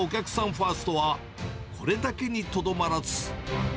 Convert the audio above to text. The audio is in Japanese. ファーストは、これだけにとどまらず。